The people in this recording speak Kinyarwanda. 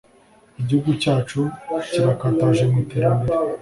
Igihugu cyacu kirakataje mu iterambere